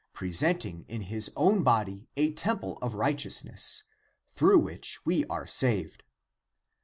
Presenting in his own body a templets of righteous ness, 18. Through which we are saved.